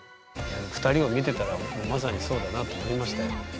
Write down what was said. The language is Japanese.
２人を見てたらまさにそうだなと思いましたよ。